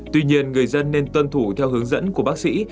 tuy nhiên người dân nên tuân thủ theo hướng dẫn của bác sĩ